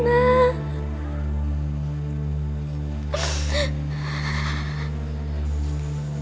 pasti harus menemukan nina